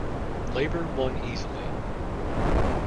Labour won easily.